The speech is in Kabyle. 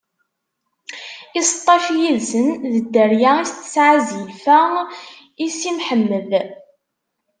I seṭṭac yid-sen, d dderya i s-d-tesɛa Zilfa i Si Mḥemmed.